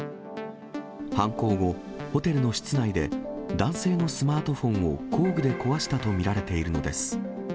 犯行後、ホテルの室内で男性のスマートフォンを工具で壊したと見られているのです。